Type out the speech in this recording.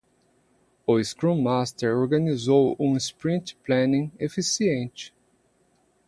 O scrum master organizou um sprint planning eficiente.